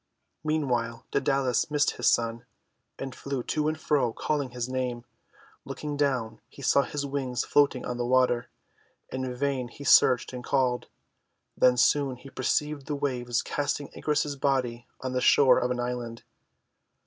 Meanwhile Daedalus missed his son, and flew to and fro calling his name. Looking down he saw his wings floating on the water. In vain he searched and called. Then soon he perceived the waves casting Icarus's body on to the shore of an island.